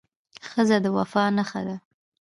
ښځه د وفا نښه ده.